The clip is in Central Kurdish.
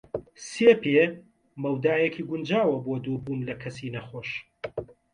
سێ پێ مەودایەکی گونجاوە بۆ دووربوون لە کەسی نەخۆش.